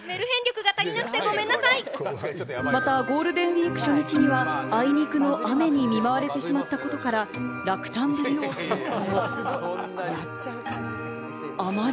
また、ゴールデンウイーク初日には、あいにくの雨に見舞われてしまったことから落胆ぶりを投稿。